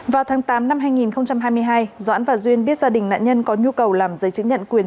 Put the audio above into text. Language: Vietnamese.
vào tháng tám năm hai nghìn hai mươi hai doãn và duyên biết gia đình nạn nhân có nhu cầu làm giấy chứng nhận quyền